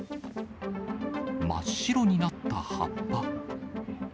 真っ白になった葉っぱ。